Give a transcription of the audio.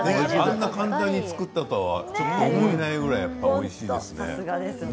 あんなに簡単に作ったとは思えないぐらいおいしいですね。